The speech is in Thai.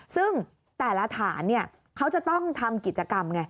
ซึ่งแต่ละฐานเขาจะต้องทำกิจกรรมไง